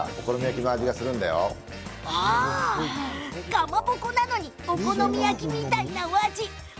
かまぼこなのにお好み焼きみたいなお味。